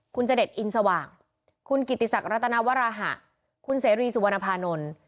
คุณจเดชอินสว่างคุณกิติศักดิรัตนวราหะคุณเสรีสุวรรณภานนท์